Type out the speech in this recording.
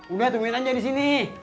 udah tungguin aja di sini